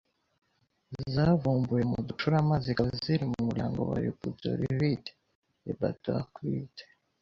zavumbuwe mu ducurama zikaba ziri mu muryango wa Rabudoviride (Rhabdoviridés).